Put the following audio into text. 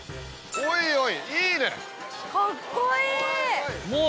おいおい！